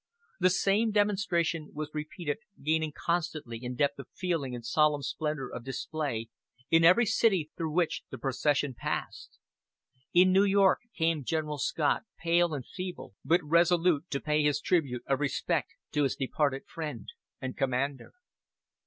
The same demonstration was repeated, gaining constantly in depth of feeling and solemn splendor of display in every city through which the procession passed. In New York came General Scott, pale and feeble, but resolute, to pay his tribute of respect to his departed friend and commander.